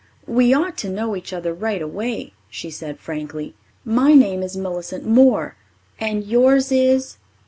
"We ought to know each other right away," she said frankly. "My name is Millicent Moore, and yours is